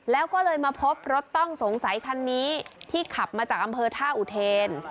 แล้วก็เลยมาพบรถต้องสงสัยคันนี้ที่ขับมาจากอำเภอท่าอุเทน